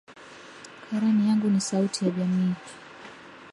Karani yangu ni sauti ya jamii.